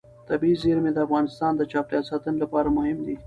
طبیعي زیرمې د افغانستان د چاپیریال ساتنې لپاره مهم دي.